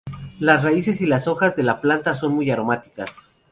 Las raíces y las hojas de la planta son muy aromáticas.